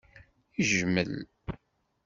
Yejmel.